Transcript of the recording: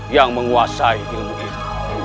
yang menguasai ilmu ilmu